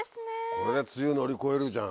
これで梅雨乗り越えるじゃん。